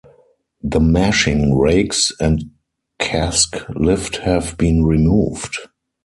The mashing rakes and cask lift have been removed.